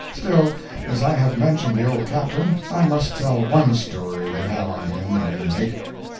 Still, as I have mentioned the old Captain, I must tell one story they have on him, at any rate.